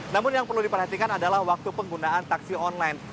namun yang perlu diperhatikan adalah waktu penggunaan taksi online